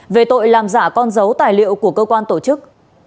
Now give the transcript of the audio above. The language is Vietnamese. về tội làm giả con dấu tài liệu của cơ quan tổ chức